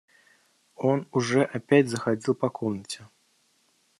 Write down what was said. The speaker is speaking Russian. Он уже опять заходил по комнате.